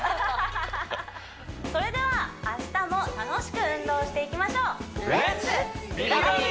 それでは明日も楽しく運動していきましょう「レッツ！美バディ」